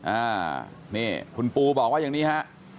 อ่าคุณปูบอกว่ายังนี้ฮะ